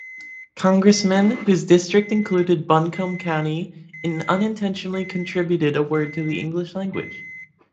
Congressman, whose district included Buncombe County, unintentionally contributed a word to the English language.